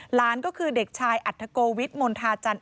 หลานก็คือเด็กชายอัฐโกวิทมณฑาจันท